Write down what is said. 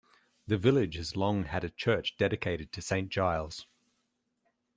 The village has long had a church dedicated to Saint Giles.